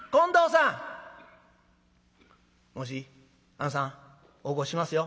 「もしあんさん起こしますよ。